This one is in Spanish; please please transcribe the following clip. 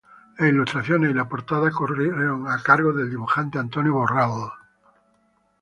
Las ilustraciones y la portada corrieron a cargo del dibujante Antonio Borrell.